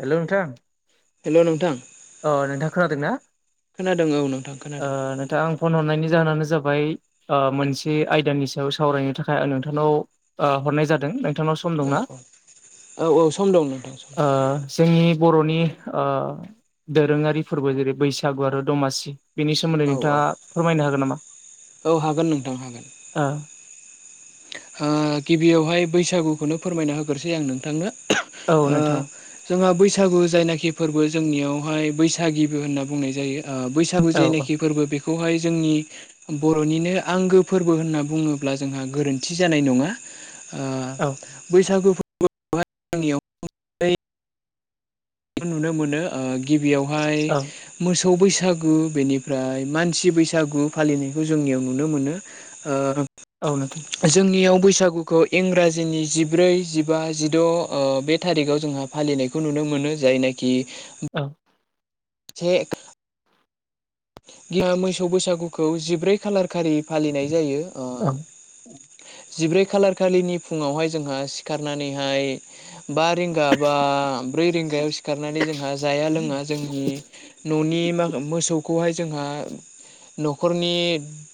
हेल' नोंथां हेल' नोंथां अ नोंथां खोनादों ना। खोनादों औ नोंथां ओ खोनादों नोंथां आं फन हरनायनि जाहोनानो जाबाय ओ मोनसे आयदानि सायाव सावरायनो थाखाय आं नोंथांनाव ओ हरनाय जादों। नोंथांनाव सम औ दंना औ औ औ सम दं नोंथां सम ओ जोंनि बर'नि ओ दोरोङारि फोरबो जेरै बैसागु आरो दमासि बेनि सोमोन्दै औ औ नोंथाङा फोरमायनो हागोन नामा? औ हागोन नोंथां हागोन। ओ ओ गिबियावहाय बैसागुखौनो फोरमायना होग्रोसै आं नोंथांनो। औ [unintelligible] ओ नोंथां जोंहा बैसाग सागु जायनाखि फोरबो जोंनियावहाय बैसागिबो होनना बुंनाय जायो। ओ बैसागु औ जेनाखि फोरबो बे बखौहाय जोंनि बर'निनो आंगो फोरबो होनना बुङोब्ला जोंहा गोरोन थि जानाय नङा ओ औ बैसागु फो नियाव नुनो मोनो ओ गिबियावहाय औ मोस सौ बैसागु बेनिफ्राय मानसि बैसागु फालिनायखौ जोंनियाव नुनो मोनो ओ औ नोंथां जोंनियाव बैसागुखौ इंराजिनि जिब्रै, जिबा, जिद' ओ बे थारिखाव जोंहा फालिनायखौ नुनो मोनो। जायनाखि औ। से गिया मोसौ बैसागुखौ जिब्रै खालार खारि फालिनाय जायो औ ओ जिब्रै खालार खालिनि फुङावहाय जोंहा सिखारनानैहाय बा रिंगा बा अ ब्रै रिंगायाव सिखारनानै जोंहा जाया लोङा जोंनि न'नि मा मोसौ खौहाय जोंहा न'खरनि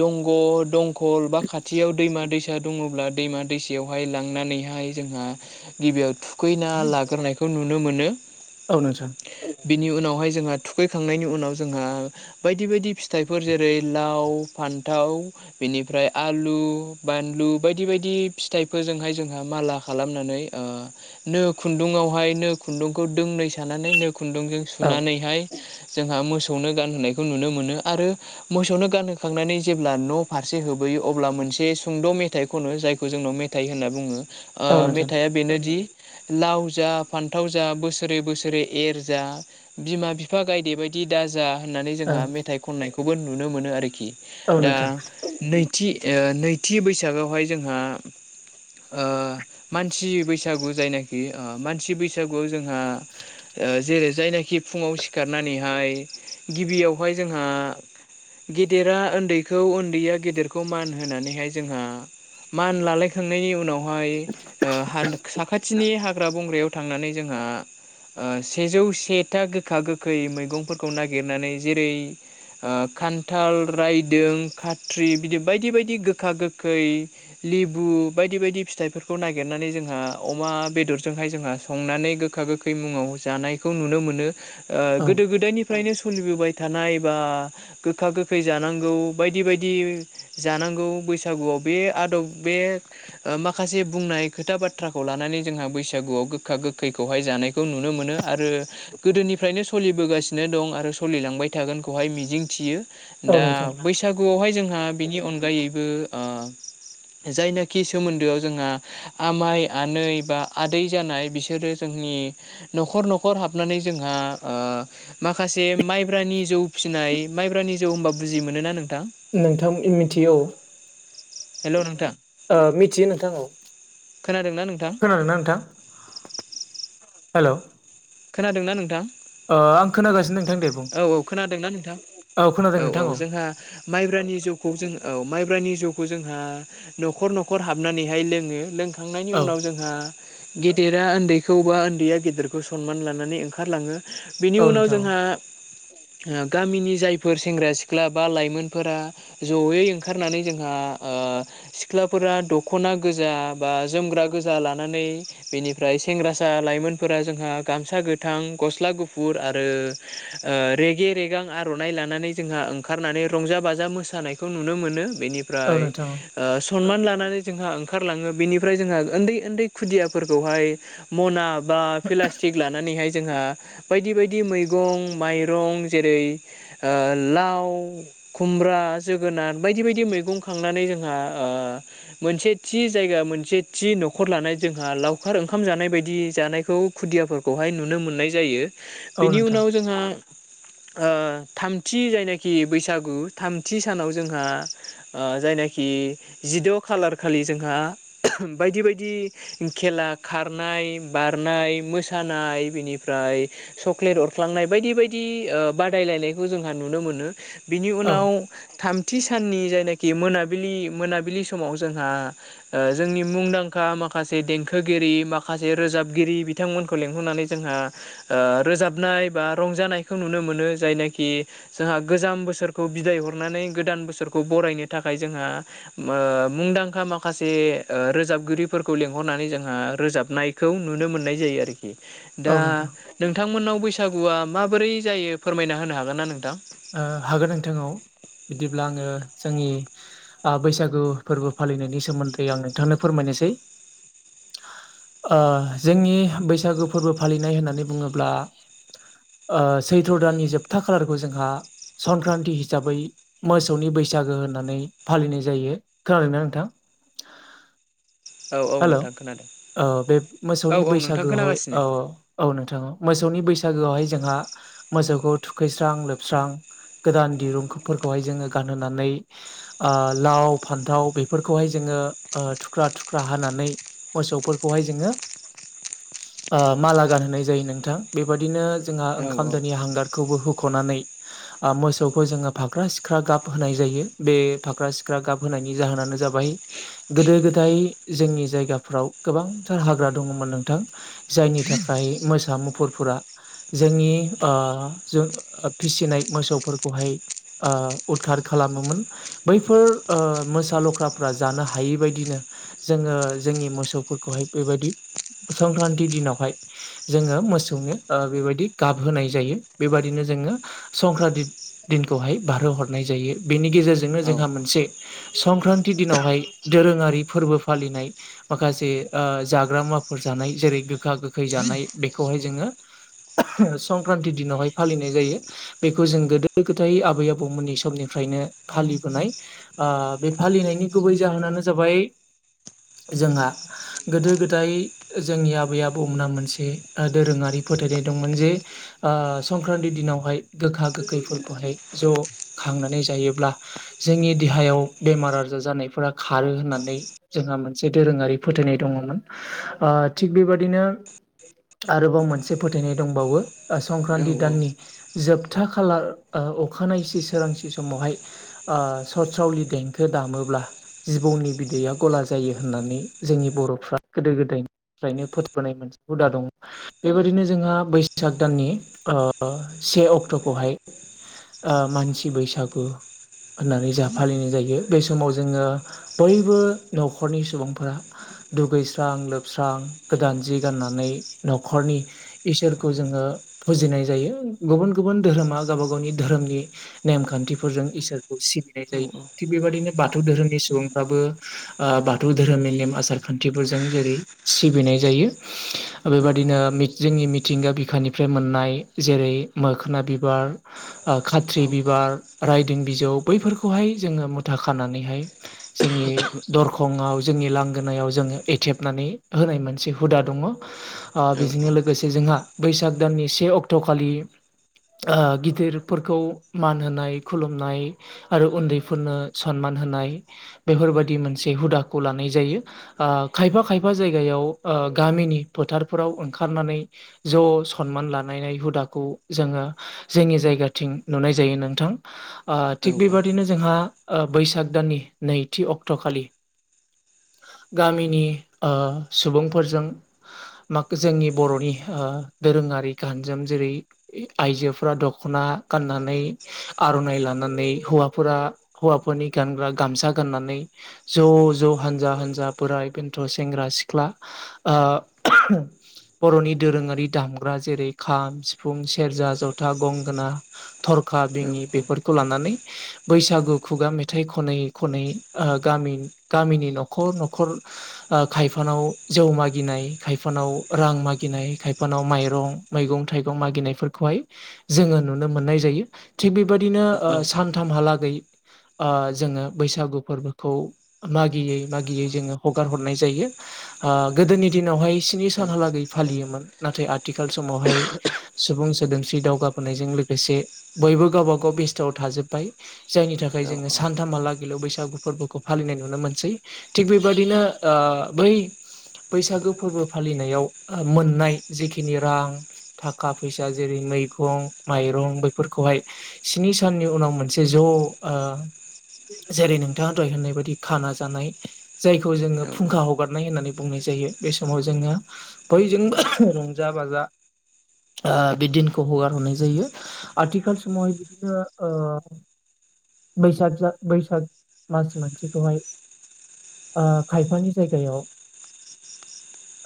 दंग' दं कल बा खाथियाव दैमा दैसा सा दङब्ला दैमा दैसायावहाय लांनानैहाय जोंहा गिबियाव थुखैना लाग्रोनायखौ नुनो मोनो। औ नोंथां। बिनि उनावहाय जोंहा थुखैखांनायनि उनाव जोंहा बायदि बायदि फिथाइफोर जेरै लाव फान्थाव बेनिफ्राय आलु बा बानलु बायदि बायदि फिथाइफोरजोंहाय जोंहा माला खालामनानै ओ नो खुन्दुङाव हाय नो खुुन्दुंखौ दोंनै सानानै नो खुुन्दुंजों औ सुनानैहाय जोंहा मोसौनो गानहोनायखौ नुनो मोनो आरो मोसौनो गानहोखांनानै जेब्ला न' फारसे होबोयो अब्ला मोनसे सुंद' मेथाइ खनो जायखौ जोंनाव मेथाइ होनना बुङो ओ औ नोंथां मेथाया बेनोदि लाव जा फान्थाव जा बोसोरै बोसोरै एर जा बिमा बिफा गायदे बायदि दाजा होननानै औ जोंहा मेथाइ खननायखौबो नुनो मोनो आरोखि औ दा नोंथां नै थि ओ नैथि बैसागावहाय जोंहा ओ मानसि बैसागु जायनाखि ओ मानसि बैसागुआव जोंहा ओ जेरै जायनाखि फुङाव सिखारनानै हाय गिबियावहाय जोंहा गेदेरा ओन्दैखौ ओन्दैया गेदेरखौ मान होनानैहाय जोंहा मान लालायखांनायनि उनावहाय ओ हान साखाथि नि हाग्रा बंग्रायाव थांनानै जोंहा ओ सेजौ सेथा गोखा गोखै मैगंफोरखौ नागिरनानै जेरै ओ खान्थाल रायदों खाथ्रि बिदि बायदि बायदि गोखा गोखै लेबु बायदि बायदि फिथाइफोरखौ नागिरनानै जोंहा अमा बेदरजोंहाय जोंहा संनानै गोखा गोखै मुङाव जानायखौ नुनो मोनो। ओ औ गोदो गोदायनि फायनो सलिबोबाय थानाय बा गोखा गोखै जानांगौ बायदि बायदि जानां गौ बैसागुआव बे आदब बे ओ माखासे बुंनाय खोथा बाथ्राखौ लानानै जोंहाबो बैसागुआव गोखा गोखैखौहाय जानायखौ नुनो मोनो आरो गोदोनिफ्रायनो सलिबोगासि नो दं आरो सलिलांबाय थागोनखौहाय मिजिंथियो। औ दा नोंथां बैसागुआवहाय जोंहा बेनि अनगायैबो ओ जायनाखि सोमोन्दोआव जोंहा आमाय आनै बा आदै जानाय बिसोरो जों नि न'खर न'खर हाबनानै जोंहा ओ माखासे माइब्रानि जौ फिसिनाय माइब्रानि जौ होनबा बुजि मोनो ना नों नोंथां इ मिथिगौ। हेलौ नोंथां। ओ मिथियो नोंथां औ। खोनादोंना नोंथां? खोनादोंना नोंथां हेल' खोनादों ना नोंथां? ओ आं खोनागासिनो दों। औ औ खोनादोंना नोंथां? खोनादों औ औ नोंथां जोंहा माइब्रानि जौखौ जों औ माइब्रानि जौ खौ जोंहा न'खर न'खर हाबनानैहाय लोङो लोंखांनायनि औ उनाव जोंहा गेदेरा ओन्दैखौ बा ओन्दैया गेदेरखौ सनमान लानानै ओंखारलाङो। औ बिनि उनाव नोंथां औ जोंहा [inaudible] ओ गामिनि जायफोर सेंग्रा सिख्ला बा लाइमोनफोरा जयै ओंखारनानै जोंहा ओ ओ सिख्लाफोरा दख'ना गोजा बा जोमग्रा गोजा लानानै बेनिफ्राय सें ग्रासा लाइमोनफोरा जोंहा गामसा गोथां, गस्ला गुफुर आरो रेगे रेगां आर'नाइ लानानै जोंहा ओंखारनानै रंजा बाजा मोसानायखौ नुनो मोनो। औ बेनिफ्राय नोंथां ओ सनमान लानानै जोंहा ओंखारलाङो। बेनिफ्राय जोंहा उन्दै उन्दै खुदियाफोरखौहाय मना बा पिलास्टिक लानानैहाय जोंहा बायदि बायदि मैगं माइरं जेरै ओ लाव खुमब्रा जोगोनार बायदि बायदि मै गं खांनानै जोंहा ओ मोनसे थि जायगा मोनसे थि नख'र लानानै लाव खार ओंखाम जानाय बायदि जानायखौ खुदियाफोरखौहाय नुनो मोननाय जायो। औ बिनि नोंथां उनाव जोंहा [inaudible] ओ थामथि जायनाखि बैसागु थामथि सानाव जोंहा ओ जायनाखि जिद' खालारखालि जोंहा बायदि बायदि खेला खारनाय, बारनाय, मोसानाय बिनिफ्रा [unintelligible] चक्लेट अरफ्लांनाय बायदि बायदि दि ओ बादायलायनायखौ जोंहा नुनो मोनो बिनि औ उनाव थाम थि साननि जायनाखि मोनाबिलि-मोनाबिलि समाव जोंहा ओ जोंनि मुंदांखा मा खासे देंखोगिरि माखासे रोजाबगिरि बिथांमोनखौ लेंहरनानै जोंहा ओ रोजाबना नायबा रंजानाय खौ नुनो मोनो जायनाखि जोंहा गोजाम बोसोरखौ बिदाय हरनानै गोदान बोसोरखौ बरायनो थाखा खाय जोंहा [unintelligible] मुंदांखा माखासे ओ रोजाबगिरिफोरखौ लिंहरनानै जोंहा रोजाब नायखौ नुनो मोननाय जायो आरोखि दा औ नोंथां नोंथांमोननाव बैसागुआ माबोरै जायो फोरमायना होनो हागोन ना नोंथां? ओ हागोन नोंथां औ बिदिब्ला आङो जोंनि आ बैसागु फोरबो फालिनायनि सोमोन्दै आं नोंथांनो फोरमायनोसै [inaudible] ओ जोंनि बैसागु फोरबो फालिनाय होननानै बुङोब्ला ओ सैथ्र' दाननि जोबथा खालारखौ जोंहा संक्रान्ति हिसाबै मोसौनि बैसागो होननानै फालिनाय जायो खोनादोंना नोंथां [unintelligible] औ औ हेल' नोंथां खोनादों ओ बे औ मोसौनि औ नोंथां बैसागोहाव खोनागासिनो औ औ नोंथां मोसौनि बैसागोआवहाय जोंहा मोसौखौ थुखैस्रां लोबस्रां गोदान दिरुंफोरखौहाय जोङो गानहोनानै ओ लाव फान्थाव बेफोरखौहाय जोङो ओ थुख्रा थुख्रा हानानै मोसौफोरखौहाय जोङो ओ माला गानहोनाय जायो नोंथां बेबादिनो जोंहा औ ओंखाम दोनि हांगारखौबो हुख'नानै आ मोसौखौ जोङो फाख्रा सिख्रा गाब होनाय जायो बे फाख्रा सिख्रा गाब होनायनि जाहोनानो जाबाय गोदो गोदाय जोंनि जायगाफ्राव गोबांथार हाग्रा दङोमोन नोंथां जायनि थाखाय मोसा मुफुर फोरा जोंनि ओ जों फिसिनाय मोसौफोरखौहाय ओ उदखार खालामोमोन बैफोर ओ मोसा लख्राफ्रा जानो हायै बायदिनो जोङो जोंनि मोसौफोरखौहाय बेबायदि संक्रान्ति दिनावहाय जोङो मोसौ जोङो ओ बेबायदि गाब होनाय जायो बे बादिनो जोङो संक्रान्ति दिनखौहाय बारहो हर हरनाय जायो बेनि गेजेरजोंनो औ जोंहा मोनसे संक्रान्ति दिनावहाय दोरोङारि फोरबो फालिनाय माखासे ओ जाग्रा मुवाफोर जानाय जेरै गोखा गोखै जानाय बेखौहाय जोङो [unintelligible] [unintelligible] संक्रान्ति दिनावहाय फालिनाय जायो बेखौ जों गोदो गोदाय आबै आबौमोननि समनिफ्राय [unintelligible] नो फालिबोनाय बे फालिनायनि गुबै जाहोनानो जाबाय जोंहा गोदो गोदाय जोंनि आबै आबौमोनहा मोनसे ओ दोरोङारि फोथायनाय दंमोन जे ओ संक्रान्ति दिनावहाय गोखा गोखैफोरखौहाय ज' खांनानै जायोब्ला जोंनि देहायाव बेमार आजार जानायफोरा खारो होननानै जोंहा मोनसे दोरोङारि फोथायनाय दङ'मोन ओ थिग बेबादिनो आरोबाव मोनसे फोथायनाय दंबावो ओ औ संक्रान्ति औ दाननि जोबथा खालार ओ अखानायसि सोरांसि समावहाय सतसावलि देंखो दामोब्ला जिबौनि बिदैया गला जायो होननानै जोंनि बर'फ्रा गोदो गोदायनिफ्रायनो फोथायबोनाय मोनसे हुदा दं बेबायादिनो जोंहा बैसाग दाननि ओ से अक्ट'खौहाय ओ मानसि बैसागु होननानै जा फालिनाय जायो बे समाव जोङो बयबो‌ न'खरनि सुबुंफोरा दुगैस्रां लोबस्रां गोदान जि गाननानै न'खरनि इसोरखौ जोङो फुजिनाय जायो गुबुन गुबुन धोरोमा गावबा गावनि धोरोमनि नेमखान्थिफोरजों इसोरखौ सिबिनाय औ जायो थिग बेबायदिनो बाथौ धोरोमनि सुबुंफ्राबो ओ बाथौ धोरोमनि नेम आसार खान्थिफोरजों जेरै सिबिनाय जायो बेबायदिनो मि जोंनि मि मिथिंगा बिखानिफ्राय मोननाय जेरै मोखोना बिबार ओ खाथ्रि बिबार रायदों बिजौ बैफोरखौहाय जोङो मुथा खानानैहाय जोंनि दरखंआव जोंनि लांगोनायाव जोङो एथेबनानै होनाय मोनसे हुदा दङ ओ बेजोंनो लोगोसे जों ना बैसाग दाननि से अक्ट' खालि ओ गिदिरफोरखौ मान होनाय खुलुमनाय आरो उन्दैफोरनो सनमान होनाय बेफोरबायदि मोन हुदाखौ लानाय जायो ओ खायफा-खायफा जायगायाव ओ गामिनि फोथारफोराव ओं खारनानै ज' सनमान लानायनाय हुदाखौ जोङो जोंनि जायगाथिं नुनाय जा जायो नोंथां ओ थिग बेबादिनो जोंहा बैसाग दाननि नैथि अक्ट'खालि [inaudible] गामिनि सुबुंफोरजों माख जोंनि बर'नि ओ दोरोङारि गानजाम जेरै आइजोफोरा दख'ना गाननानै आर'नाइ ला लानानै हौवाफोरा हौवाफोरनि गानग्रा गामसा गाननानै ज' ज' हानजा-हानजा बोराय-बेन्थ' सेंग्रा-सिख्ला ओ बर'नि दोरोङारि दामग्रा जेरै खाम सिफुं सेरजा जथा गंगोना थरखा बिङि बेफोरखौ लानानै बैसागु खुगा मेथाइ खनै-खनै गामि गामिनि न'खर न'खर ओ खायफानाव जौ मागिनाय खायफानाव रां मागिनाय खायफानाव माइरं मैगं-थाइगं मागिनायफोरखौहाय जोङो नुनो मोननाय जायो थिख बेबायदिनो ओ सानथामहालागै ओ जोङो बैसागु फोरबो खौ मागियै मागियै जोङो हगार हरनाय जायो ओ गोदोनि दिनावहाय स्नि सानहालागै फालियोमोन नाथाय आथिखाल समावहाय सुबुं सोदोमस्रि दावगाबोनायजों लोगोसे बयबो गावबा गाव बेस्थ'आव थाजोब्बाय जायनि थाखाय जोङो नोंथां, सानथामहालागैल' बैसागु फोरबोखौ फालिनाय नुनो मोनसै थिग बेबायदिनो ओ बै बैसागु फोरबो फालि फालिनायाव मोननाय जिखिनि रां थाखा फैसा जेरै मैगं माइरं बैफोरखौहाय स्नि साननि उनाव मोनसे ज' जेरै नो थांआ होननाय बायदि खाना जानाय जायखौ जोङो फुंखा हगारनाय होननानै बुंनाय जायो बे समाव जोङो बयजोंबो रंजा बाजा ओ बे दिनखौ हगारहरनाय जायो आथिखाल समावहाय बिदिनो ओ बैसाख जा बैसाख मास मोनसेखौहाय ओ खायफानि जायगायाव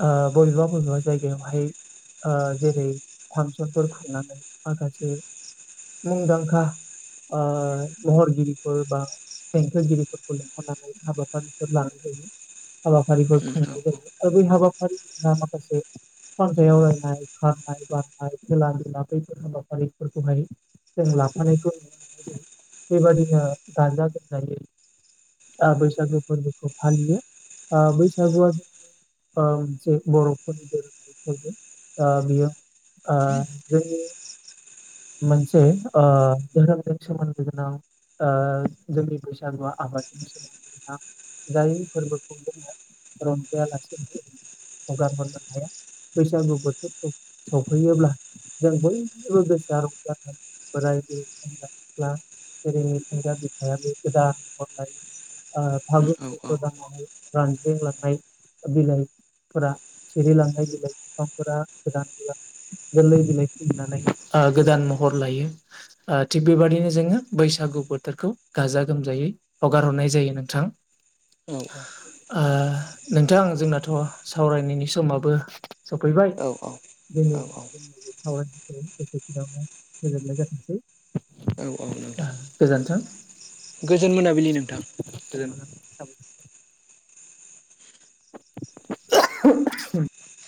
ओ बबेबा-बबेबा जायगायावहाय ओ जेरै फांसनफोर खुंनानै माखासे मुंदांखा ओ महरगिरिफोर बा बे फोरोंगिरिफोरखौ लेंंहरानानै हाबाफारिफोर लानाय जायो। हाबाफारिफोर खुंनाय जायो आरो बै हाबाफारि जोंहा माखासे फान्जाइ आवरायनाय खारनाय बारनाय खेला दधुला बैफोर हाबाफारिफोरखौहाय जों लाफानायखौ नुनो मोनो बेबायादिनो गाजा गोमजायै ओ बैसागु फोरबोखौ फालियो ओ बैसागुआ ओ मोनसे बर'फोरनि [unintelligible] ओ बियो ओ जोंनि मोनसे ओ धोरोमजों सोमोन्दो गोनां ओ जोंनि बैसागुआ आबादजों सोमोन्दै गोनां जाय फोरबोखौ जोङो रंजायालासे फो हगार हरनो हाया। बैसागु बोथोर सफैयोब्ला जों बयबो गोसो [unintelligible] बोराय बुरै सेंग्रा सिख्ला जेरै मिथिंगा बिखायाबो गोदान महर लायो ओ फागुन सैथ्र दानावहाय रानज्रेनलांनाय बिलाइ फोरा सिरिलांनाय बिलाइ बिफांफोरा गोदान बिलाइ गोरलै बिलाइ खिलिनानै ओ गोदान महर लायो ओ थिग बेबायाददिनो जोङो बैसागु बोथोरखौ गाजा गोमजायै हगार हरनाय जायो नोंथां ओ नोंथां जोंनाथ सावरायनायनि समाबो सफैबाय जोङो सावराय एसेखिनिङावनो फोजोबनाय जाथोंसै औ औ नोंथां गोजोन्थों गोजोन मोनाबिलि नोंथां [unintelligible] [unintelligible]